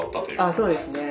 ああそうですね。